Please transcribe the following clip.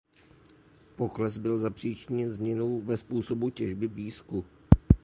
Pokles byl zapříčiněn změnou ve způsobu těžby písku.